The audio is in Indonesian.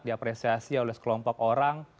diapresiasi oleh kelompok orang